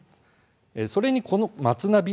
それに、この「まつナビ」